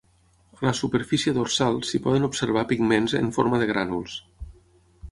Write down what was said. A la superfície dorsal s'hi poden observar pigments en forma de grànuls.